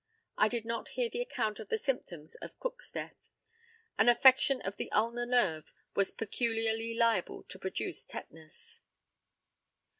I did not hear the account of the symptoms of Cook's death. An affection of the ulnar nerve was peculiarly liable to produce tetanus.